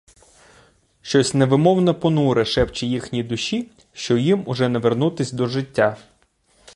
Щось невимовно понуре шепче їхній душі, що їм уже не вернутись до життя.